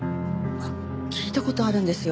聞いた事あるんですよ